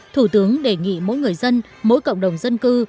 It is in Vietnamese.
thủ tướng đề nghị mỗi người dân mỗi cộng đồng dân cư